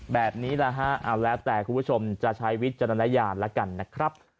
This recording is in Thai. แบบนี้แหละฮะเอาแล้วแต่คุณผู้ชมจะใช้วิจารณญาณแล้วกันนะครับ